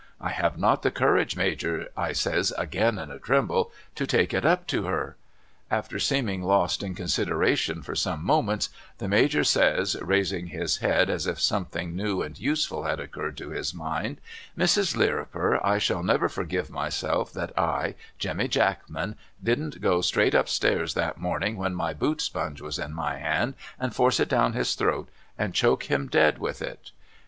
' I have not the courage Major ' I says again in a tremble ' to take it up to her.' After seeming lost in consideration for some moments the Major says, raising his head as if something new and useful had occurred to his mind ' Mrs. Lirriper, I shall never forgive myself that I, Jemmy Jackman, didn't go straight up stairs that morning when my boot sponge was in my hand — and force it down his throat — and choke him dead with it.'